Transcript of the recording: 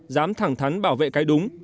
dám thẳng thắn bảo vệ cái đúng